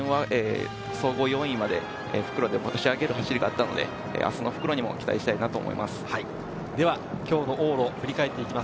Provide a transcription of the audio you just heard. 昨年は総合４位まで復路で押し上げる走りがあったので明日の復路にも期待したいと思います。